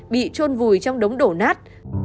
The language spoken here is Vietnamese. bị trôn vùi trong đống đổ nát